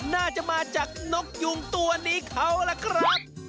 น่าจะมาจากนกยุงตัวนี้เขาล่ะครับ